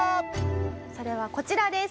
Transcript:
それはこちらです。